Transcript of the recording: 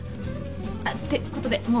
あってことでもう行くね。